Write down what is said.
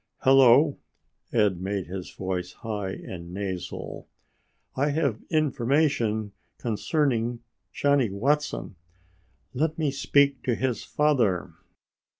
"Hello." Ed made his voice high and nasal. "I have information concerning Johnny Watson. Let me speak to his father."